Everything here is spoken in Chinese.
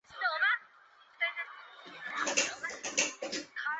本路线曾因班次少而饱受乘客诟病。